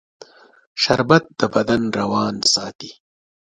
شربت د بدن روان ساتي